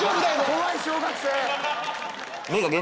「怖い小学生」